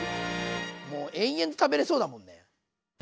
もう延々と食べれそうだもんね。